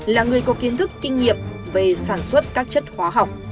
là người có kiến thức kinh nghiệm về sản xuất các chất khoa học